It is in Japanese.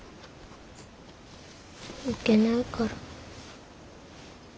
行けないから。